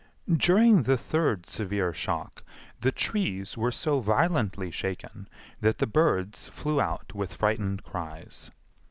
During the third severe shock the trees were so violently shaken that the birds flew out with frightened cries.